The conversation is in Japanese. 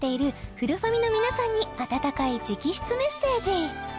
フルファミの皆さんに温かい直筆メッセージ